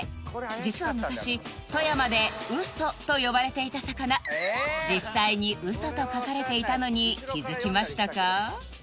実は昔富山でウソと呼ばれていた魚実際にウソと書かれていたのに気づきましたか？